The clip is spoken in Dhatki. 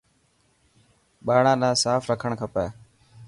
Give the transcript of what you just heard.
ٻاڙان نا ساف رکڻ کپي.